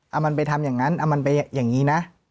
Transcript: เอามันไปทำอย่างนั้นเอามันไปอย่างนี้นะ